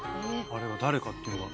あれが誰かっていうのが。